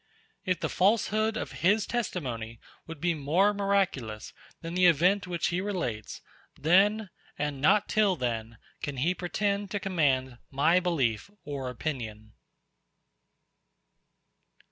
If the falsehood of his testimony would be more miraculous, than the event which he relates; then, and not till then, can he pretend to command my belief or opinion.